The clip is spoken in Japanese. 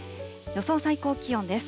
予想最高気温です。